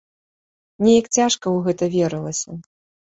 Неяк цяжка ў гэта верылася.